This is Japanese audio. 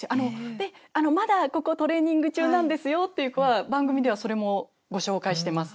でまだここトレーニング中なんですよっていう子は番組ではそれもご紹介してます。